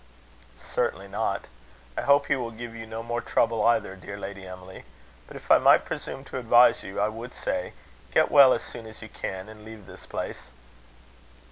"Certainty not. I hope he will give you no more trouble either, dear Lady Emily. But if I might presume to advise you, I would say Get well as soon as you can, and leave this place."